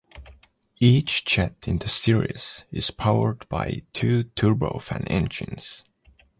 Each jet in the series is powered by two turbofan engines.